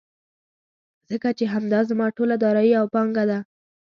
ځکه چې همدا زما ټوله دارايي او پانګه ده.